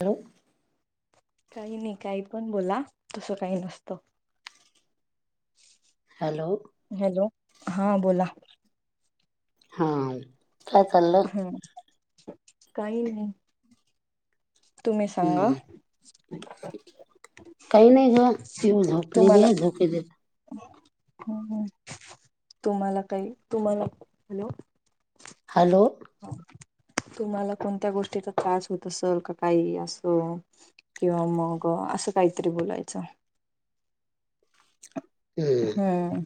Hello? काही नाही काही पण बोला तस काही नसत. हॅलो? हॅलो, हा बोला. हा. काय चाललंय? हा. काही नाही. तुम्ही सांगा. हम्म काही नाही ग. तीऊ झोपलेली तुम्हाला [unintelligible] तुम्हाला काही तुम्हाला हॅलो? तुम्हाला कोणत्या गोष्टीचा त्रास होत असेल का काही असं? किंवा मग असं काहीतरी बोलायचं. हम्म.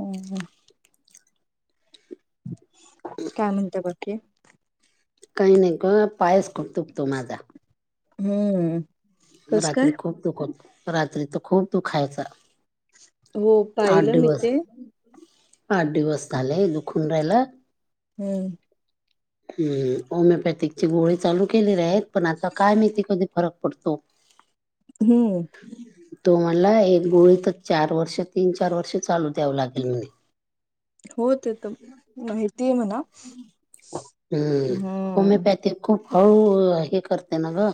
हम्म हम्म. काय म्हणता बाकी. काही नाही ग. पायस खूप दुखतो माझा. हम्म. कस काय रात्री खूप दुख, रात्री त खूप दुखायचा. हो आठ पाहिलं मी दिवस, ते आठ दिवस झाले. दुखून राहिला. हम्म. हम्म होमिओपॅथिकची गोळी चालू केलेली आहेत. पण आता काय माहिती कधी फरक पडतो. हम्म. तो म्हणला एक गोळी त चार वर्ष. तीन चार वर्ष चालू द्याव लागेल म्हणे. हो ते त माहितीय म्हणा. हम्म हम्म. होमिओपॅथिक खूप हळू हे करते ना ग.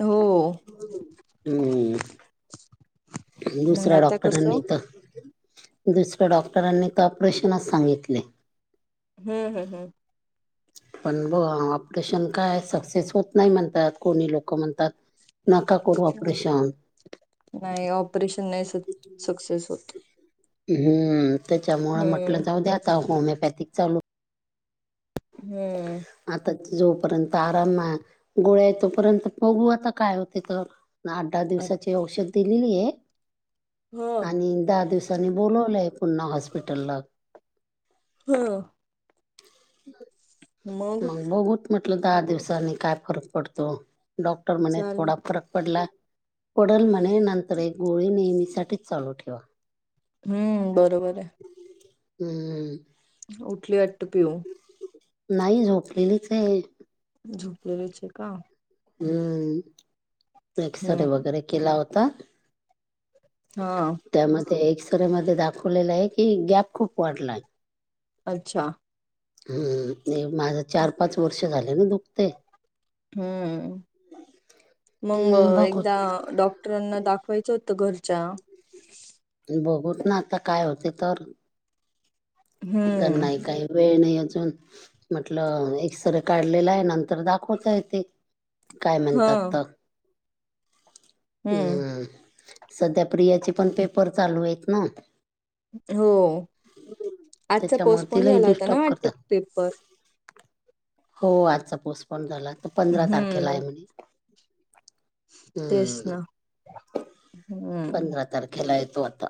हो. [inaudible] हम्म मग दुसऱ्या आता डॉक्टरांनी कसं त, दुसऱ्या डॉक्टरांनी त ऑपरेशनच सांगितलेय. हम्म हम्म हम्म. पण ब ऑपरेशन काय सक्सेस होत नाही म्हणतात. कोणी लोक म्हणतात. नका करू ऑपरेशन नाही ऑपरेशन नाही सक सक्सेस होत. हम्म त्याच्यामुळे म्हटलं हम्म जाऊ द्या आता होमिओपॅथिक चालू हम्म. आता जोपर्यंत आराम गोळ्याय, तोपर्यंत बघू आता काय होते तर. आठ दहा हा दिवसाची औषध दिलेलीये. आणि दहा दिवसांनी बोलावलंय पुन्हा हॉस्पिटलला. [inaudible] ह. मग बघूत म्हटलं दहा दिवसाांनी काय फरक पडतो. डॉक्ट -र म्हणे चाल थोडा फरक पडला. पडल म्हणे नंतर एक गोळी नेहमीसाठी चालू ठे वा. हम्म बरोबरे. हम्मम. उठली वाटत पिऊ. नाही झोपलेलीचे. झोपलेलीचे का? हम्म. एक्सरे हम्म वगैरे केला होता. ह. त्यामध्ये, एक्सरे मध्ये दाखवलेला आहे की, गॅप खूप वाढलाय. अच्छा. हम्म नाही माझं चार पाच वर्ष झाले ना दुखते. हम्म, मग हम्म बघू एकदा डॉक्ट क्टरांना दाखवायचं होतं घरच्या. बघूत ना आता काय होते तर. तर हम्म नाही काय. वेळ नाही अजून. म्हटल एक्सरे काढलेलाय. नंतर दाखवता येते. काय हा म्हणतात त. हम्म, सध्या प्रियाचे पण पेपर चालूयेत ना. हो. आजचा त्याच्यामुळे पोस्टपोन तिलाही झाला होता ना डिस्टर्ब वाटत करतात पेपर. हो आजचा पोस्टपोन झाला तो पंधरा तारखेला हम्म आहे म्हणे तेच हम्म ना हम्म पंधरा तारखेला आहे तो आता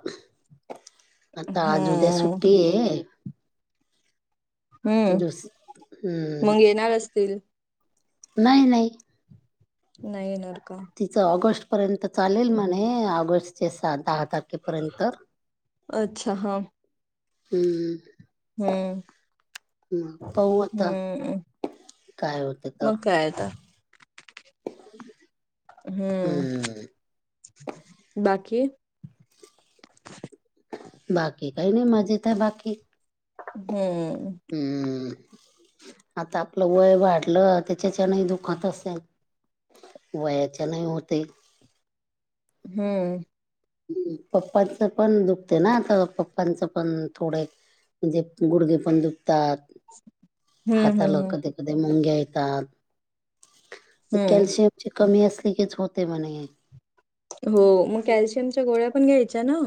आता आज उद्या हम्म सुट्टी आहे हम्म दुस हम्म, मग येणार असतील नाही नाही नाही येणार का तिचं ऑगस्ट पर्यंत चालेल म्हणे ऑगस्ट च्या दहा तारखेपर्यंत अच्छा हा ह हम्म ह पाहु आता हम्म काय होते मग तर काय आता हम्म बाकी बाकी काही नाही मजेत आहे बाकी हम्म ह आता आपलं वय वाढलं त्याच्याच्यानही दुखत असेल वयाच्या नाही होते हम्म पप्पाचं पण दुखते ना आता पप्पांचं पण थोडे म्हणजे गुडगे पण दुखतात हम्म हाताला हम्म कधी कधी मुंग्या येतात हम्म कॅल्शियम कमी असले कीच होते म्हणे हो मग कॅल्शियमच्या गोळ्या पण घ्यायच्या ना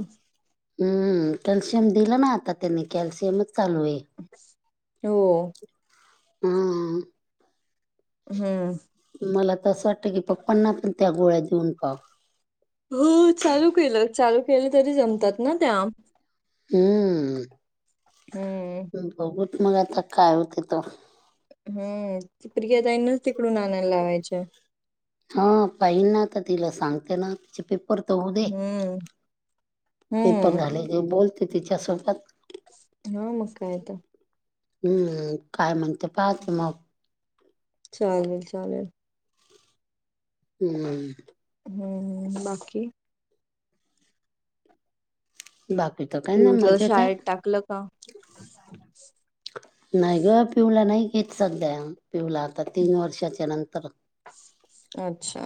हम्म कॅल्शियम दिलं ना आता त्यांनी कॅल्शियमच चालू आहे हो हम हम्म मला त असं वाटतं की पप्पांना पण त्या गोळ्या जेऊन पाव हो चालू केलं चालू केलं तरी जमतात ना त्या हम्म हम्म बघूत मग आता काय होते त हम्म ती प्रियाताईनाच तिकडून आनायला लावायच्या हा पाहिन ना आता तिला सांगते ना तिचे पेपर पेपर तर होऊदे हम्म पेपर हम्म झाले की बोलते तिच्यासोबत हा मग काय तर हम्म काय म्हणते पाहते मग चालेल चालेल हम्म हम्म बाकी बाकी तर काय ना पिऊला मजेत शाळेत टाकलं का? आहे नाही ग पिऊला नाही घेत सध्या पिवला आता तीन वर्षाच्या नंतर अच्छा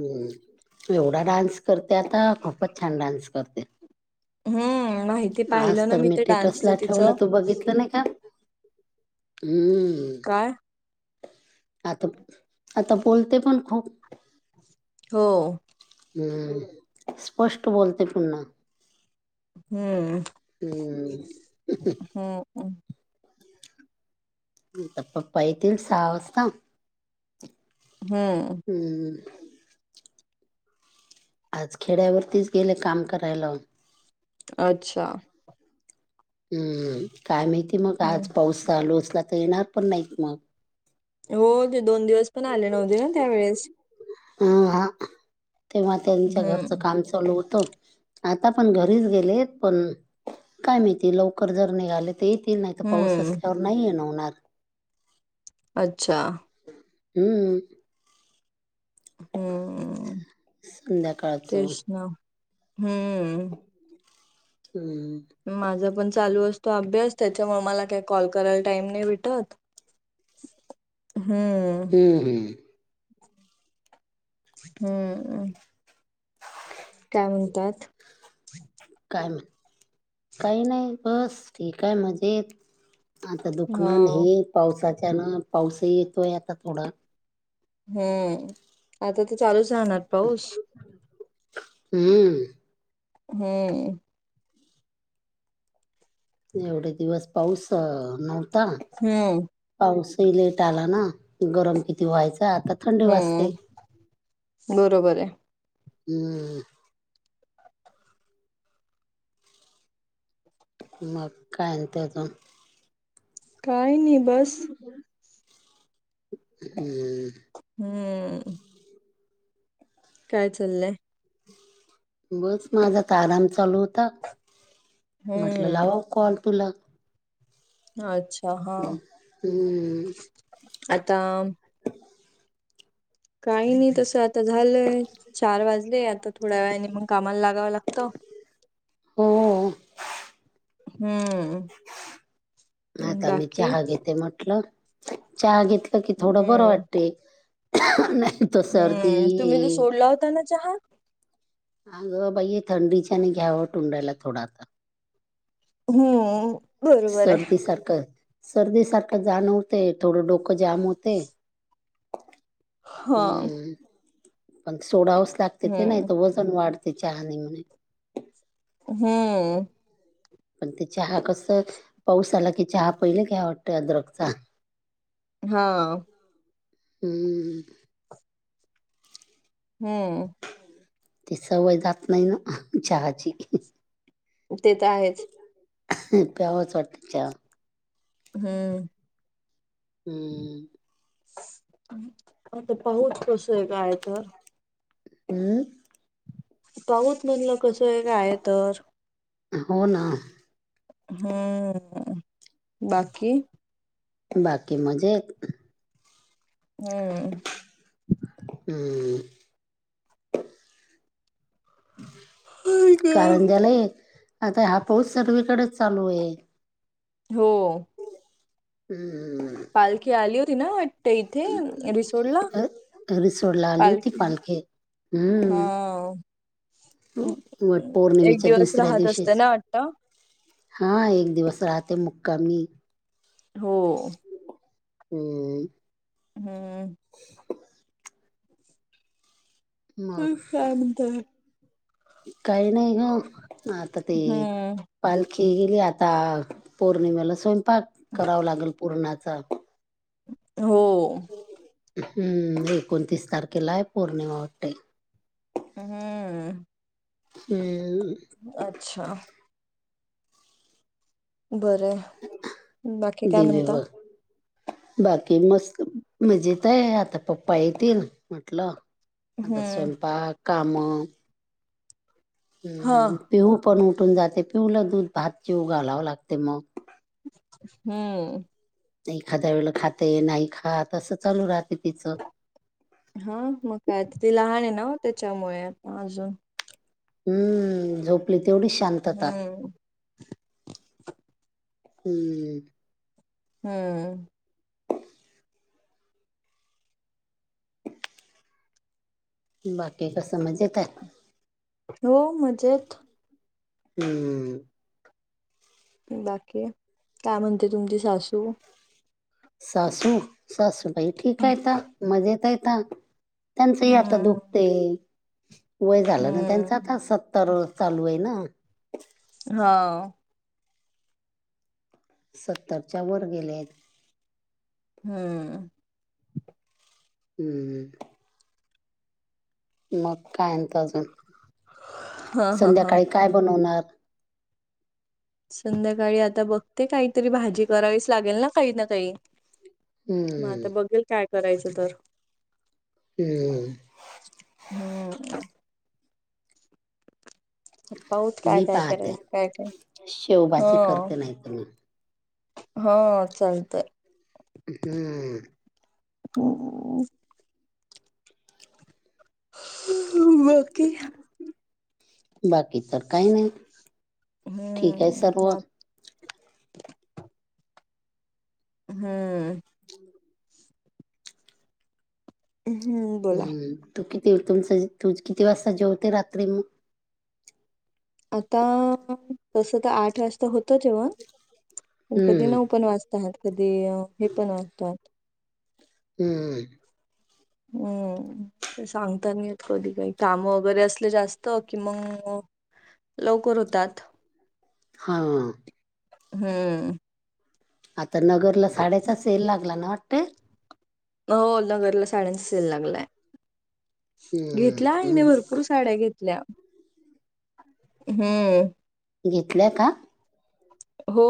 हम्म एवढा डान्स करते आता खूपच छान डान्स करते. हम्म माहिती आज पाहिलं ना तर मी ते टेटस डान्सचं ला ठेवलं तिचं तू बघितलं नाही का हम्. हय. आता आता बोलते पण खूप हो. हम्म स्पष्ट बोलते पुन्हा हम्म हम्म हम्मम. ंत प्पा ऐ त सहा असस्त. हम्. हम. आज खेड्यावरतीच गेले काम करायला. अच्छा. हम्म काय माहिती मग हम्म आज पाऊसाचा लोचला तर येणार पण नाहीत मग. हो ते दोन दिवस पण आले नव्हते ना त्यावेेळेस हा हा तेव्हा त्यांच्या घरचं हम्म काम चालू होतं. आता पण घरीच गेलेत पण काय माहिती लवकर जर निघाले. ते येतील नाही तर पाऊस हम्म असल्यावर नाही येनवणार. अच्छा. हम्म. हम्म संध्याकाळचं तेच ना हम्म. हम्म. माझा पण चालू असतो अभ्यास त्याच्यामुळे मला काही कॉल करायला टाइम नाही भेटत. हम्म. हो हं. हम्मम काय म्हणतात. काय म्हण काही नाही बस ठीक आहे मजेत. आता हा दुखणं नाही पावसाच्या ना पाऊसही येतोय आता थोडा. हम आता तर चालूच राहणार पाऊस. हम्म. हम्म. एवढे दिवस पाऊस नव्हता. हम्म पाऊसही लेट आला ना गरम किती व्हायच आता थंड वास्ते हम्म बरोबर आहे. हम्म. म काययंत त. काही नाही बस. हम्म. हम्म. काय चाललंय. बस माझा तर आराम चालू होता. म्हटलं हम्म लावा कॉल तुला अच्छा हा हम्म, आता [inaudible] काही नाही तसं आता झालंय चार वाजले आता थोड्या वेळाने मग कामाला लागावं लागतं. हो. हम्म. आता मी बाकी चहा घेते म्हटलं चहा घेतलं की थोड बरं हम्म वाटते. [unintelligible] नाही तर सर्दी हम्म तुम्ही हे जो सोडला होता ना चहा? अगं बाईे थंडीच्यान घ्यावं तुंडायला थोडा आता. हम सर्दी सारखं सर्दी सारखं जाणवत तेय थोडं डोक जाम होतेय. हा हम्म पण सोडावच लागते ते नाही हम्म व पण वाढते चहानी म्हणे हम्. पण ते चहा कस पाऊस आला की चहा पहिले घ्याव वाटतं अदरकचा. हा. हम्. हम्म. ते सवय जात नाही ना हह चहाची. ते तर आहेच. ह प्यावच वाटत च्या. हम्म. हम्. आता पाहच स्पेशल आहे काय तर हमम. पाऊत म्हणलं कसं आहे काय तर हो ना. हम्म बाकी. बाकी मजेत. हम्म. हम् ग. कारण त्याला एक आता हा पाऊस सगलीकडेच चालू आहे. हो हमम. पालखी आली होती ना? ते इथे रिसोट ला रिसोडला आली होती पालखी हा हम्म वट एक पौर्णिमेच्या दिवस दुसऱ्या राहत असते दिवशीच ना आत्ता हा एक दिवस राहते मुक्कामी. हो. हमम हम् मग काय म्हणताय? काही नाही ग आता ते हम्म पालखी गेली आता पौर्णिमेला स्वयंपाक करावा लागेल पूरणाचा. हो. हम्म एकोणतीस तारखेला आहे पौर्णिमा वाटते. हम्म. हम्. अच्छा. बरं बाकी काय दिवे म्हणता? व बाकी मस्त मजेत आहे आता पप्पा येतील म्हटलं. आता हम्म स्वयंपाक काम. हा पिऊू पण उठून जाते पिऊूला दूध भात जेवू घालावं लागते मग. हम्म. एखादा वेळेला खाते नाही खात अस चालू राहते तिचं. हा मग काय ती लहान आहे ना त्याच्यामुळे अजून. हम्म झोपली तेवढी श हम्म हम्म हम्म. बाकी कस मजेत हाय? हो मजेत. हम् बाकी काय म्हणते तुमची सासू? सासू सासूबाई ठीक आहेता मजेत आहेता. त्यांचही आता हम्म दुखते वय झालं ना त्यांचं आता हम्म सत् त्तर चालू आहे ना. हो. सत्तरच्या वर गेले आहेत. हम्म हम्मम. मग कायं म्हणता अजून हा हा हा संध्याकाळी काय बनवणार? संध्याकाळी आता बघते काहीतरी भाजी करावीच लागेल ना काही ना काही. मग आता हम्म बघेल काय करायचं तर. हम् हम्. बहुत काय मी काय पाहते करायचं काय काय शेवभाजी हो. करते नाही तर मी हो चालतय. हम्म. [inaudible] [inaudible] बाकी. बाकी तर काही नाही. ठीक आहे हम्म सर्व ह. हम्म. हम्. हम्म तू किती तुमचं तू किती वाजता जेवते रात्री मग? आता तसं तर आठ वाजता होतच जेवण पण कधी हम्म नऊ पण वाजता. कधी हे पण असतात [unintelligible] हम्म हम् ते सांगता नायेत कधी काही काम वगैरे असले जास्त कि मग लवकर होतात. हा हम्म आता नगरला साडीचा सेल लागला ना वाटते. हो नगरला साड्यांचा सेल लागलाय. हम्म घेतल्या आईने हम्म. भरपूर साड्या घेतल्या हम्म. घेतल्या का. हो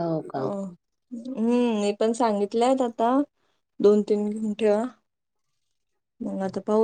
हो अ. का? हम्म मी पण सांगितले आहेत आता दोन तीन घंठ्या मग आता पाहूत